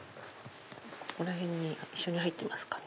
この辺に一緒に入ってますかね。